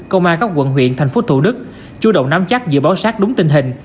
công an các quận huyện tp hcm chú động nắm chắc giữ báo sát đúng tình hình